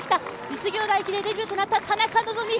実業駅伝デビューとなった田中希実。